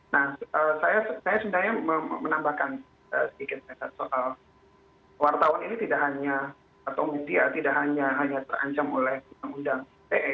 nah saya sebenarnya menambahkan sedikit soal wartawan ini tidak hanya atau media tidak hanya terancam oleh undang undang ite